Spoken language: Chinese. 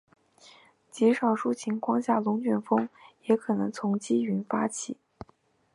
极少数情况下龙卷风也可能从积云发起。